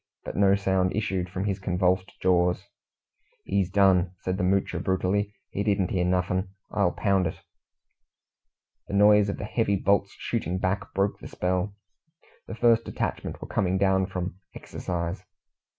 But no sound issued from his convulsed jaws. "He's done," said the Moocher brutally. "He didn't hear nuffin', I'll pound it." The noise of the heavy bolts shooting back broke the spell. The first detachment were coming down from "exercise."